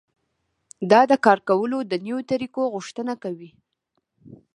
دا د کار کولو د نويو طريقو غوښتنه کوي.